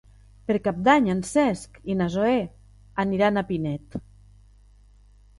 Per Cap d'Any en Cesc i na Zoè aniran a Pinet.